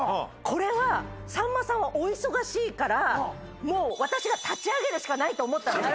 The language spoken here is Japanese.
これはさんまさんはお忙しいからもう私が立ち上げるしかないと思ったんです